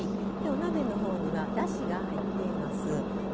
お鍋のほうにはだしが入っています。